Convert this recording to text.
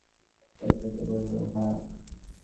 সুচরিতা কহিল, হাঁ।